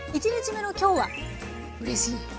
１日目の今日はうれしい。